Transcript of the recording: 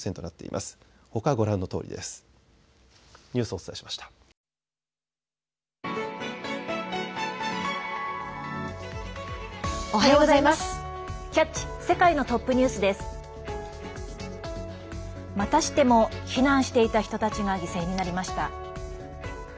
またしても避難していた人たちが犠牲になりました。